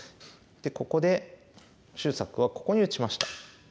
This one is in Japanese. ここで秀策はここに打ちました。